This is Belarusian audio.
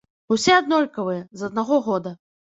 Усе аднолькавыя, з аднаго года.